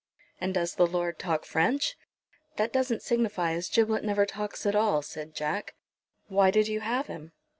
"And does the Lord talk French?" "That doesn't signify as Giblet never talks at all," said Jack. "Why did you have him?"